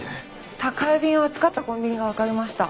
宅配便を扱ったコンビニがわかりました。